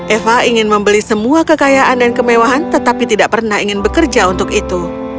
eva ingin membeli semua kekayaan dan kemewahan tetapi tidak pernah ingin bekerja untuk itu